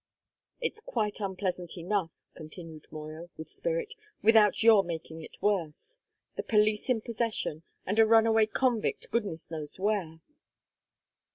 "It's quite unpleasant enough," continued Moya, with spirit, "without your making it worse. The police in possession, and a runaway convict goodness knows where!"